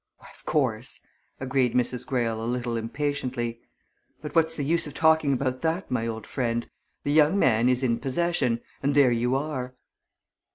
"Why, of course," agreed Mrs. Greyle a little impatiently. "But what's the use of talking about that, my old friend! The young man is in possession and there you are!"